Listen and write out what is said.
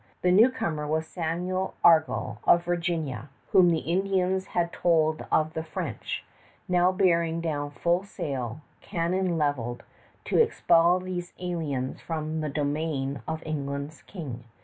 The newcomer was Samuel Argall of Virginia, whom the Indians had told of the French, now bearing down full sail, cannon leveled, to expel these aliens from the domain of England's King.